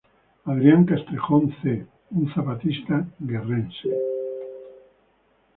Adrián Castrejón C. Un zapatista guerrerense.